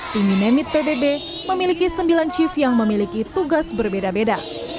timinemit pbb memiliki sembilan chief yang memiliki tugas berbeda beda